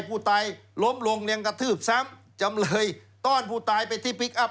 ผู้ตายล้มลงยังกระทืบซ้ำจำเลยต้อนผู้ตายไปที่พลิกอัพ